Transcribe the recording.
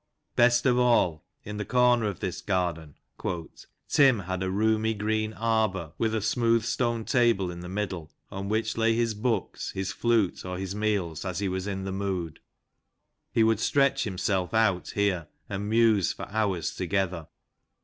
Best of all, in the corner of this garden, " Tim had a roomy green arbour, with a smooth stone table in the middle, on which lay his books, his flute, or his meals, as he was in the mood. He would stretch himself out here, and muse for hours together.